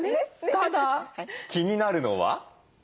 ただ気になるのは？